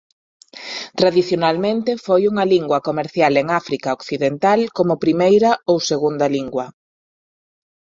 Tradicionalmente foi unha lingua comercial en África Occidental como primeira ou segunda lingua.